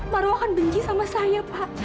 marwah akan benci sama saya pak